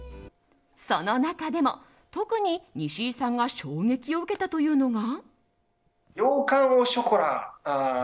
その中でも特に、にしいさんが衝撃を受けたというのが。